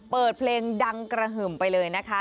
เปิดเพลงดังกระหึ่มไปเลยนะคะ